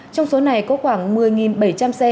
trong số này có khoảng một mươi bảy trăm linh xe